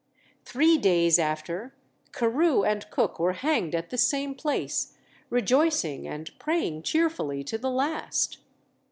Three days after, Carew and Cook were hanged at the same place, rejoicing and praying cheerfully to the last.